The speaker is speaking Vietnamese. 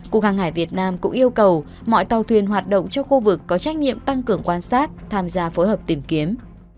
cục hàng hải việt nam cũng yêu cầu mọi tàu thuyền hoạt động trong khu vực có trách nhiệm tăng cường quan sát tham gia phối hợp tìm kiếm